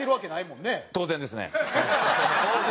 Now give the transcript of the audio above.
当然ですね。